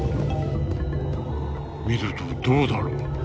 「見るとどうだろう。